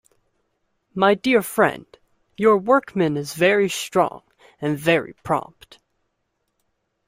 My dear friend, your workman is very strong — and very prompt.